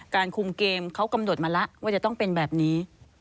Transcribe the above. คุมเกมเขากำหนดมาแล้วว่าจะต้องเป็นแบบนี้